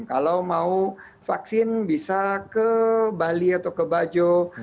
kalau mau vaksin bisa ke bali atau ke bajo